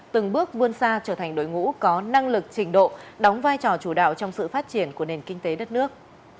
từng bước vươn xa trở thành đội ngũ có năng lực trình độ đóng vai trò chủ đạo trong sự phát triển của nền kinh tế đất nước